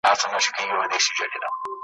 چي له لستوڼي څخه وشړو ماران وطنه ,